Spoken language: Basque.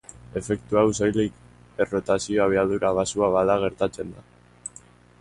Efektu hau soilik errotazio abiadura baxua bada gertatzen da.